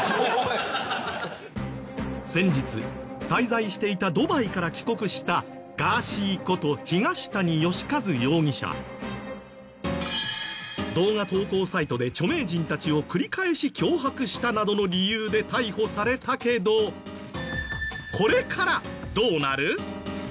先日滞在していたドバイから帰国した動画投稿サイトで著名人たちを繰り返し脅迫したなどの理由で逮捕されたけどこれからどうなる？